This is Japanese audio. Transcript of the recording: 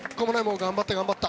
頑張った、頑張った。